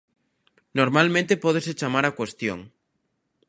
Normalmente pódese chamar á cuestión.